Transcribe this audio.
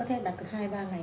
thế đặt được hai ba ngày